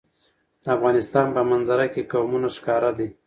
د افغانستان په منظره کې قومونه ښکاره ده.